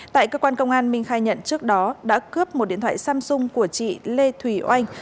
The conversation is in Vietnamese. tại cơ quan công an minh khai nhận trước đó đã cướp một điện thoại samsung của chị lê thùy oanh